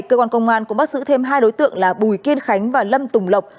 giữ thêm hai đối tượng là bùi kiên khánh và lâm tùng lộc